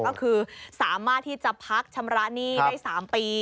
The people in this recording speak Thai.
ก็คือสามารถที่จะพักชำระหนี้ได้๓ปี